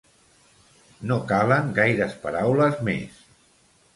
No calen gaires paraules més.